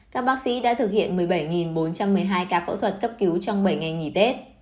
các bác sĩ đã thực hiện một mươi bảy bốn trăm một mươi hai ca phẫu thuật cấp cứu trong bảy ngày nghỉ tết